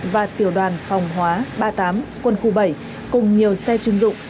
và tiểu đoàn phòng hóa ba mươi tám quân khu bảy cùng nhiều xe chuyên dụng